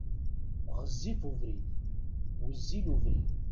Ɣezzif ubrid, wezzil ubrid.